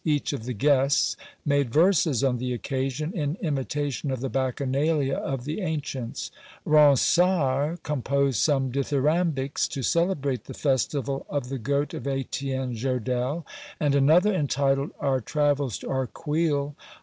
Each of the guests made verses on the occasion, in imitation of the Bacchanalia of the ancients. Ronsard composed some dithyrambics to celebrate the festival of the goat of Etienne Jodelle; and another, entitled "Our travels to Arcueil."